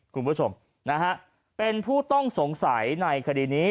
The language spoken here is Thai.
คุณผู้ชมนะฮะเป็นผู้ต้องสงสัยในคดีนี้